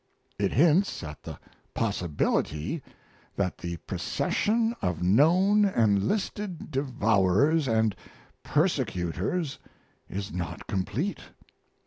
It hints at the possibility that the procession of known and listed devourers and persecutors is not complete.